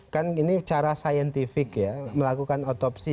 kan ini cara saintifik ya melakukan otopsi